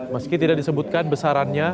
meski tidak disebutkan besarannya